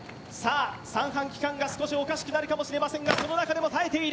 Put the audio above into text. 三半規管が少しおかしくなるかもしれませんが、その中でも耐えている。